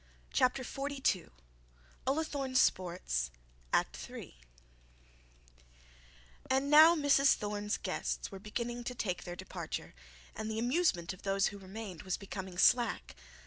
CHAPTER XLII ULLATHORNE SPORTS ACT III And now Miss Thorne's guests were beginning to take their departure, and the amusement of those who remained was becoming slack.